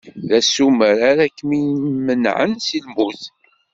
D asumer ara k-d-imenɛen si lmut.